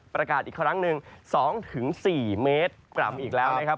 ประกาศอีกครั้งหนึ่ง๒๔เมตรกรัมอีกแล้วนะครับ